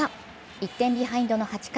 １点ビハインドの８回